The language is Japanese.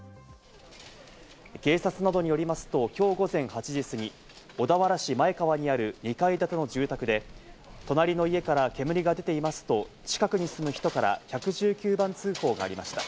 警察などによりますと、今日午前８時過ぎ、小田原市前川にある２階建ての住宅で、隣の家から煙が出ていますと近くに住む人から１１９番通報がありました。